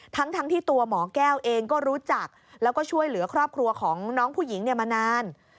ทั้งที่ตัวหมอแก้วเองก็รู้จักแล้วก็ช่วยเหลือครอบครัวของน้องผู้หญิงมานาน